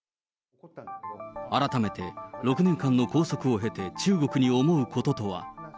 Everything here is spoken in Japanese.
改めて、６年間の拘束を経て、中国に思うこととは。